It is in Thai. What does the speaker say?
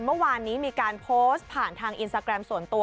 เมื่อวานนี้มีการโพสต์ผ่านทางอินสตาแกรมส่วนตัว